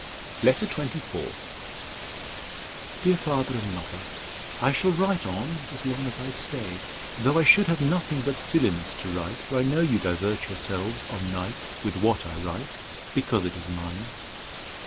LETTER XXIV DEAR FATHER AND MOTHER, I shall write on, as long as I stay, though I should have nothing but silliness to write; for I know you divert yourselves on nights with what I write, because it is mine.